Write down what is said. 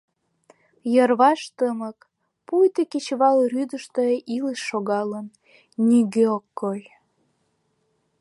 Йырваш тымык, пуйто кечывал рӱдыштӧ илыш шогалын: нигӧ ок кой.